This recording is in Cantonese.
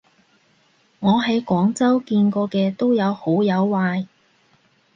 我喺廣州見過嘅都有好有壞